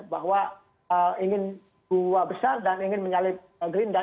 bahwa ingin dua besar dan ingin menyalip gerindra